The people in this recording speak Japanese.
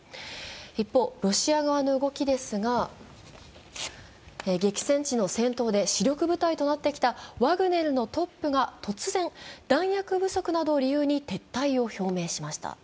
一方、ロシア側の動きですが、激戦地の戦闘で主力部隊となってきたワグネルのトップが突然、弾薬不足などを理由に撤退を表明しました。